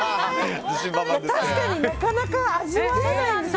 確かになかなか味わえないんですよ